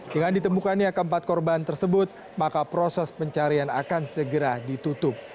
dengan ditemukannya keempat korban tersebut maka proses pencarian akan segera ditutup